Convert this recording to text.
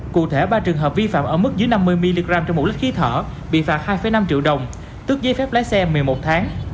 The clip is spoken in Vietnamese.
cụ thể ba trường hợp vi phạm ở mức dưới năm mươi mg trên một lít khí thở bị phạt hai năm triệu đồng tức giấy phép lái xe một mươi một tháng